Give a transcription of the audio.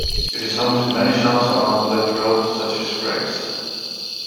It is home to many shops along Villette Road such as Gregg's.